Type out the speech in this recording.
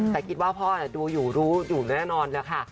แต่คิดว่าพ่อดูอยู่รู้อยู่แน่นอนแล้วค่ะ